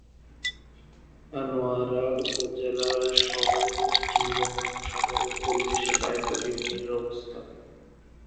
আনোয়ারা উপজেলার সর্ব-পশ্চিমে বঙ্গোপসাগরের কোল ঘেঁষে রায়পুর ইউনিয়নের অবস্থান।